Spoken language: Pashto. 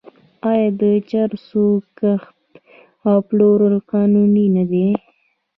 آیا د چرسو کښت او پلور قانوني نه دی؟